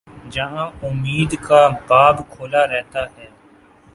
جہاں امید کا باب کھلا رہتا ہے۔